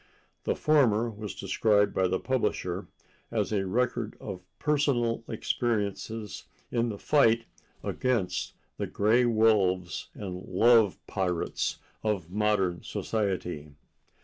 The former was described by the publisher as a record of "personal experiences in the fight against the gray wolves and love pirates of modern society."